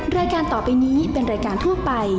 รายการต่อไปนี้เป็นรายการทั่วไป